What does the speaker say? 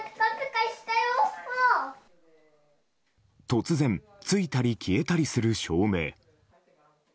突然、ついたり消えたりする照明。